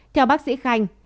theo bác sĩ khanh